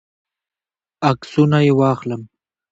عکسونه یې واخلم.